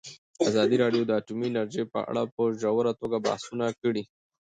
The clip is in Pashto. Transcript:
ازادي راډیو د اټومي انرژي په اړه په ژوره توګه بحثونه کړي.